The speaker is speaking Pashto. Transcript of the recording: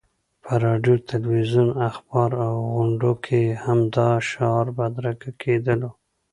په راډیو، تلویزیون، اخبار او غونډو کې همدا شعار بدرګه کېدلو.